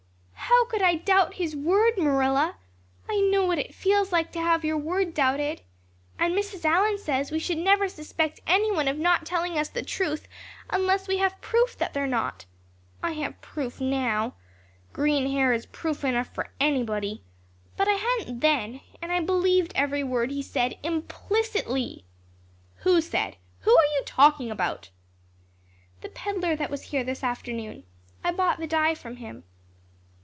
How could I doubt his word, Marilla? I know what it feels like to have your word doubted. And Mrs. Allan says we should never suspect anyone of not telling us the truth unless we have proof that they're not. I have proof now green hair is proof enough for anybody. But I hadn't then and I believed every word he said implicitly." "Who said? Who are you talking about?" "The peddler that was here this afternoon. I bought the dye from him."